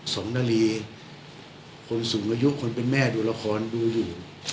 สองนาลีคนสูงอายุคนเป็นแม่ดูละครดูอยู่